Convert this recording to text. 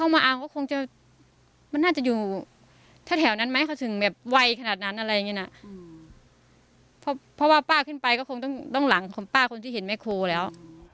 มันน่าจะอยู่ทะแถวนั้นไหมเขาถึงแบบไวขนาดนั้นอะไรอย่างงี้นะเพราะว่าป้าขึ้นไปก็คงต้องหลังของป้าคนที่เห็นไม่โครแล้ว